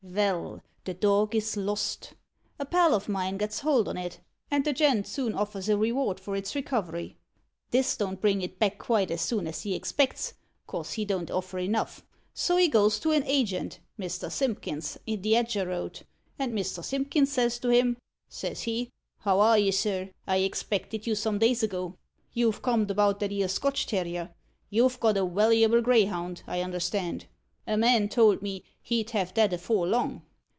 Vell, the dog is lost. A pal of mine gets hold on it, and the gent soon offers a reward for its recovery. This don't bring it back quite so soon as he expects, 'cos he don't offer enough; so he goes to an agent, Mr. Simpkins, in the Edger Road, and Mr. Simpkins says to him says he, 'How are you, sir? I expected you some days ago. You've com'd about that ere Scotch terrier. You've got a wallable greyhound, I understand. A man told me he'd have that afore long.'